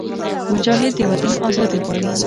مجاهد د وطن ازادي غواړي.